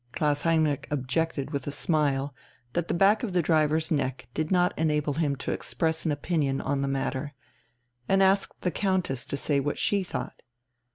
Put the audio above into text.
Klaus Heinrich objected with a smile that the back of the driver's neck did not enable him to express an opinion on the matter, and asked the Countess to say what she thought.